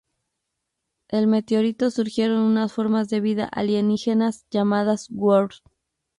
Del meteorito surgieron unas formas de vida alienígenas llamadas Worms.